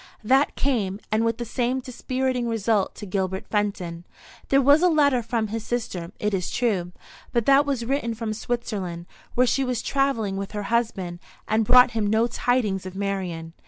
That came, and with the same dispiriting result to Gilbert Fenton. There was a letter from his sister, it is true; but that was written from Switzerland, where she was travelling with her husband, and brought him no tidings of Marian.